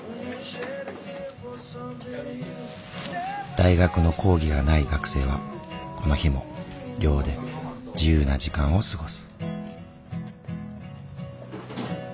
大学の講義がない学生はこの日も寮で自由な時間を過ごす。